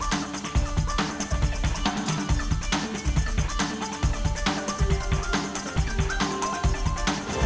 terima kasih banyak